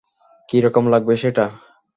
কীরকম লাগবে সেটা?